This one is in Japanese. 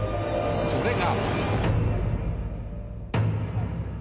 それが。